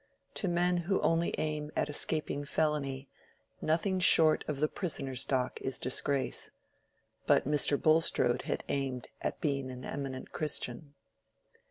To men who only aim at escaping felony, nothing short of the prisoner's dock is disgrace. But Mr. Bulstrode had aimed at being an eminent Christian.